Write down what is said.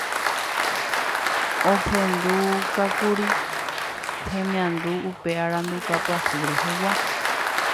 ohendukákuri hemiandu upe aranduka pyahu rehegua